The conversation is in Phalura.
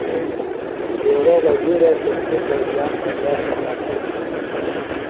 دیوہ وزیرے تسی فوجیان بھنجا ݜیکا تِھیلہ۔